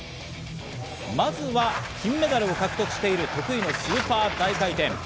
まずは金メダルを獲得している得意のスーパー大回転。